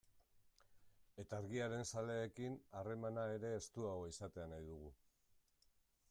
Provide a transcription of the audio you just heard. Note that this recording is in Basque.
Eta Argiaren zaleekin harremana ere estuagoa izatea nahi dugu.